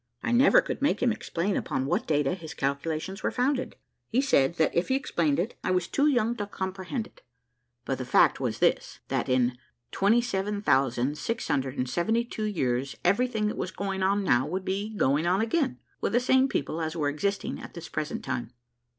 I never could make him explain upon what data his calculations were founded; he said, that if he explained it, I was too young to comprehend it; but the fact was this, that "in 27,672 years everything that was going on now would be going on again, with the same people as were existing at this present time."